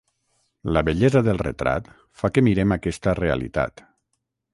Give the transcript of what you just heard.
La bellesa del retrat fa que mirem aquesta realitat.